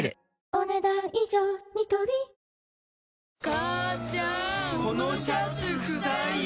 母ちゃんこのシャツくさいよ。